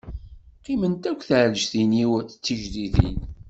Qqiment akk tɛelǧtin-iw d tijdidin.